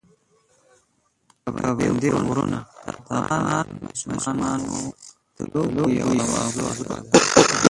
پابندي غرونه د افغان ماشومانو د لوبو یوه موضوع ده.